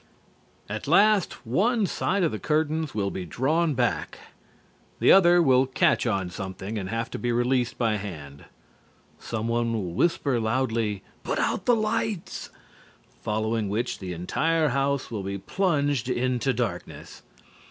At last one side of the curtains will be drawn back; the other will catch on something and have to be released by hand; someone will whisper loudly, "Put out the lights," following which the entire house will be plunged into darkness.